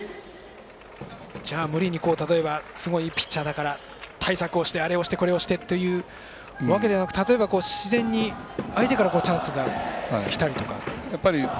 じゃあ、無理にすごい、いいピッチャーだから対策をして、これをしてあれをしてというのではなくて例えば自然に相手からチャンスがきたりとか。